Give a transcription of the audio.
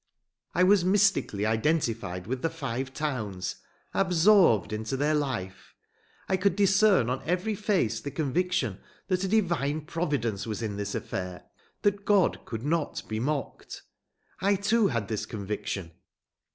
I was mystically identified with the Five Towns, absorbed into their life. I could discern on every face the conviction that a divine providence was in this affair, that God could not be mocked. I too had this conviction.